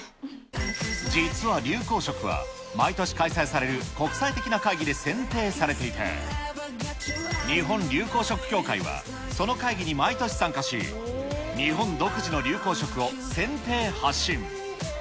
実は流行色は、毎年開催される国際的な会議で選定されていて、日本流行色協会は、その会議に毎年参加し、日本独自の流行色を選定・発信。